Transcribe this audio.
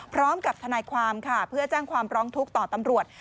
พร้อมกับทนายความค่ะเพื่อแจ้งความร้องทุกข์ต่อตำรวจ